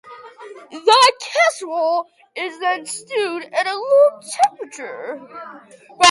The casserole is then stewed at a low temperature.